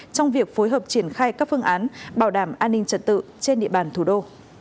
trong việc phối hợp triển khai các phương án bảo đảm an ninh trật tự trên địa bàn thủ đô